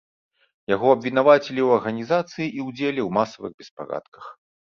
Яго абвінавацілі ў арганізацыі і ўдзеле ў масавых беспарадках.